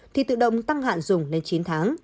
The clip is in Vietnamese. thì tự động tăng hạn dùng lên chín tháng